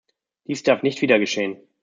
Dies darf nicht wieder geschehen.